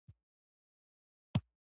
منډه د ذهني سوکالۍ راز دی